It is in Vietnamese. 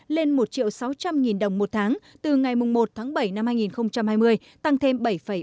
lên một sáu triệu đồng một tháng từ ngày một tháng bảy năm hai nghìn hai mươi tăng thêm bảy ba mươi tám